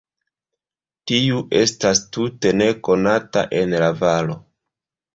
Tiu estas tute nekonata en la valo.